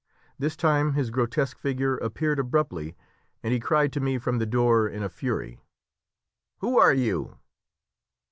This time his grotesque figure appeared abruptly, and he cried to me from the door in a fury "Who are you?"